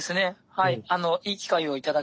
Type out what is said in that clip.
はい。